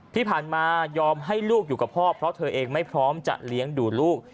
ที่ผ่านมายอมให้ลูกอยู่กับพ่อเพราะเธอเองไม่พร้อมจะเลี้ยงดูลูก